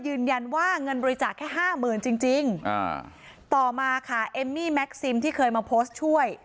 ยืนยันว่าเงินบริจาคแค่ห้าหมื่นจริงจริงอ่าต่อมาค่ะเอมมี่แม็กซิมที่เคยมาโพสต์ช่วย